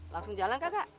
langsung jalan kakak